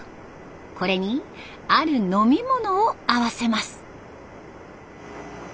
これにある飲み物を合わせます。